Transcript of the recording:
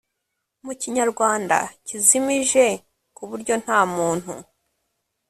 mu kinyarwanda kizimije ku buryo nta muntu